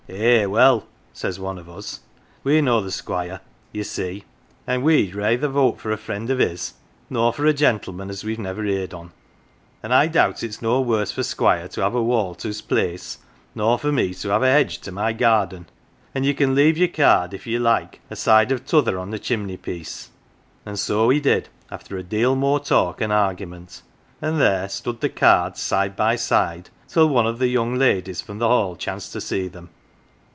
"' Eh well,' says one of us, ' we know the Squire, ye see, an' we'd rayther vote for a friend of his, nor for a gentleman as we've never heerd on. An' I doubt it's o no worse for Squire to have a wall to's place, nor for me to have a hedg^ to my garden. An' ye can leave 109 POLITICS your card if ye like aside of t'other on the chimney piece. 1 " And so he did after a deal more talk and argument, and there stood the cards side by side till one of the young ladies from the Hall chanced to see them.